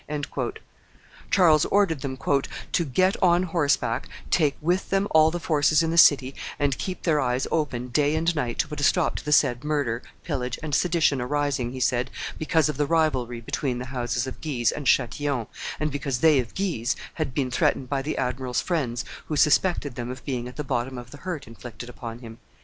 Charles ordered them "to get on horseback, take with them all the forces in the city, and keep their eyes open day and night to put a stop to the said murder, pillage, and sedition arising," he said, "because of the rivalry between the houses of Guise and Chatillon, and because they of Guise had been threatened by the admiral's friends, who suspected them of being at the bottom of the hurt inflicted upon him."